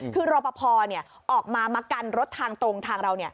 คือรอปภออกมามากันรถทางตรงทางเรา